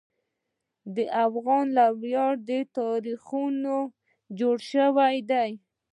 د افغان له ویاړه تاریخونه جوړ شوي دي.